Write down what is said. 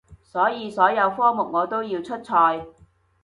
所以所有科目我都要出賽